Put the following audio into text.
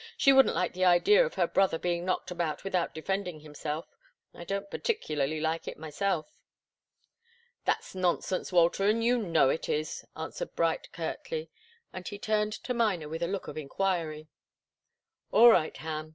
She wouldn't like the idea of her brother being knocked about without defending himself. I don't particularly like it myself." "That's nonsense, Walter, and you know it is," answered Bright, curtly, and he turned to Miner with a look of enquiry. "All right, Ham!"